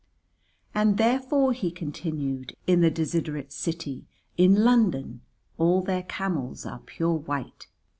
"And therefore," he continued, "in the desiderate city, in London, all their camels are pure white.